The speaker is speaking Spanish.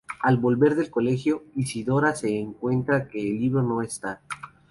Al volver del colegio, Isidora se da cuenta de que el Libro no está.